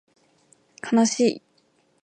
かなしい